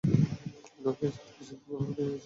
আপনার কাছ থেকে সেদিন অনুমতি নিয়েছিলাম।